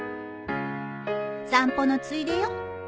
散歩のついでよ。